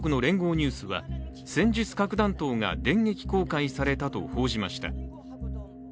ニュースは戦術核弾頭が電撃公開されたと報じました。